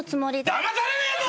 だまされねえぞ